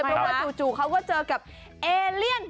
เพราะว่าจู่เขาก็เจอกับเอเลียน